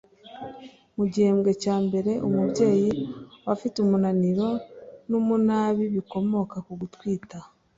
Mu gihembwe cya mbere umubyeyi aba afite umunaniro n’umunabi bikomoka ku gutwita